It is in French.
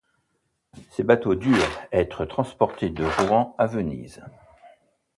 Ces bateaux durent être transportés de Rouen à Venise.